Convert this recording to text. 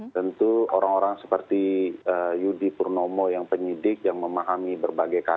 tentu orang orang seperti yudi purnomo yang penyidik yang memahami berbagai kasus